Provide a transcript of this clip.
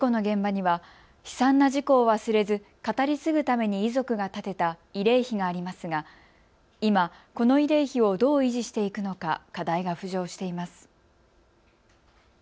事故の現場には悲惨な事故を忘れず語り継ぐために遺族が建てた慰霊碑がありますが今、この慰霊碑をどう維持していくのか課題が浮上しています。